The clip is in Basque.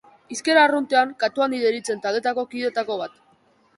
hizkera arruntean katu handi deritzen taldeko kideetako bat.